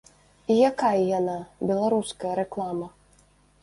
І якая яна, беларуская рэклама?